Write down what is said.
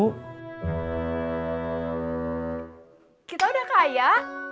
kita harga kita sudah kaya